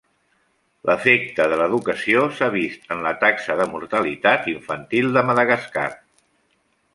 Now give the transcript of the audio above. L'efecte de l'educació s'ha vist en la taxa de mortalitat infantil de Madagascar.